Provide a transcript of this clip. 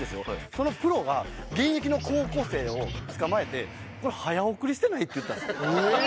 そのプロが現役の高校生をつかまえて「これ早送りしてない？」って言ったんですよ。